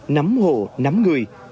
nắm hộ nắm người